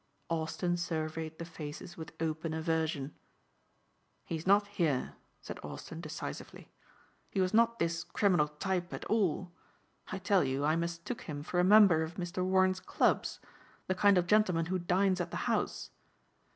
Austin surveyed the faces with open aversion. "He's not here," said Austin decisively. "He was not this criminal type at all. I tell you I mistook him for a member of Mr. Warren's clubs, the kind of gentleman who dines at the house.